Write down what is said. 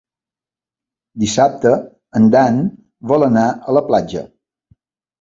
Dissabte en Dan vol anar a la platja.